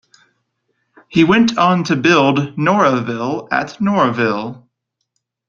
He went on to build "Norahville" at Noraville.